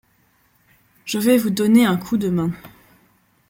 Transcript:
Je vais vous donner un coup de main.